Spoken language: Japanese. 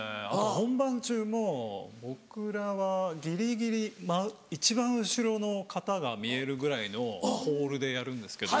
本番中も僕らはギリギリ一番後ろの方が見えるぐらいのホールでやるんですけど。